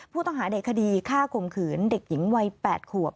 ผู้ต้องหาในคดีฆ่าข่มขืนเด็กหญิงวัย๘ขวบ